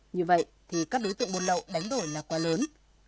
như vậy thì các đối tượng buôn lậu đánh đổi là quá lớn